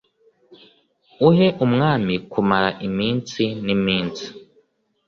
uhe umwami kumara iminsi n'iminsi